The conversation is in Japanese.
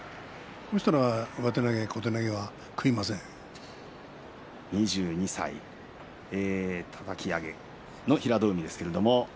そうしたら上手投げ２２歳、たたき上げ平戸海です。